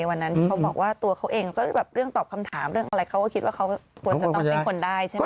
วันนั้นเขาบอกว่าตัวเขาเองก็แบบเรื่องตอบคำถามเรื่องอะไรเขาก็คิดว่าเขาควรจะต้องเป็นคนได้ใช่ไหม